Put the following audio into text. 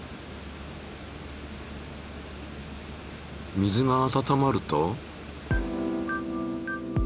水が温まると。